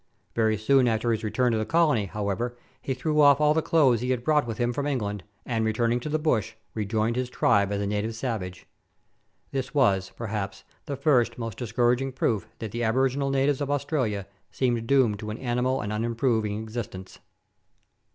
Very soon after his return to the colony, however, he threw off all the clothes he had brought with him from England, and, returning to the bush, rejoined his tribe as a native savage. This was, perhaps, the first most discouraging proof that the aboriginal natives of Australia seem doomed to an animal and unimproving existence.